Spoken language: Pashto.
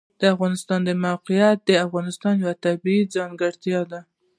د افغانستان د موقعیت د افغانستان یوه طبیعي ځانګړتیا ده.